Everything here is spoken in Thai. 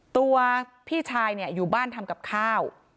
ตัวพี่ชายเนี่ยอยู่บ้านทำกับข้าว